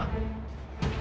aku gak boleh meluk ibu